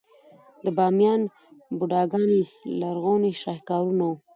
د بامیان بوداګان لرغوني شاهکارونه وو